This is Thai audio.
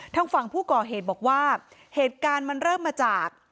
ทางฝั่งผู้ก่อเหตุบอกว่าเหตุการณ์มันเริ่มมาจาก